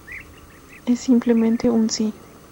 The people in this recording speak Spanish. Es simplemente un sí.